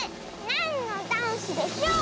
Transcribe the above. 「なんのダンスでしょう」